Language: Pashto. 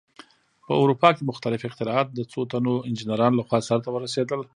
په اروپا کې مختلف اختراعات د څو تنو انجینرانو لخوا سرته ورسېدل.